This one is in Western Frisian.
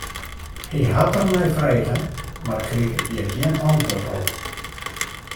Hy hat der nei frege, mar kriget hjir gjin antwurd op.